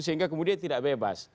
sehingga kemudian tidak bebas